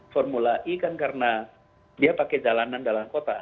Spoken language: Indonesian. formula e kan karena dia pakai jalanan dalam kota